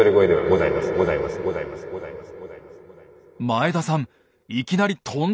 前田さん